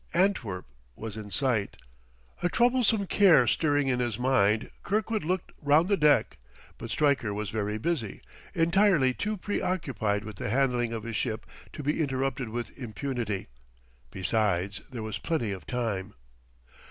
Antwerp was in sight. A troublesome care stirring in his mind, Kirkwood looked round the deck; but Stryker was very busy, entirely too preoccupied with the handling of his ship to be interrupted with impunity. Besides, there was plenty of time.